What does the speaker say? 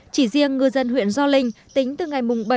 chỉ riêng ngư dân huyện do linh tính từ ngày bảy âm